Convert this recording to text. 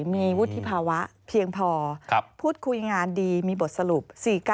มีวุฒิภาวะเพียงพอพูดคุยงานดีมีบทสรุป๔๙